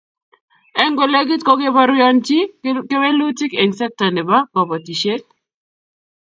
Eng kolegit kokebaorionchi kewelutik eng sekta nebo kobotisiet